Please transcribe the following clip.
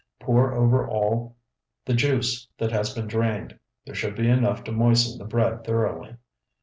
Pour over all the juice that has been drained; there should be enough to moisten the bread thoroughly.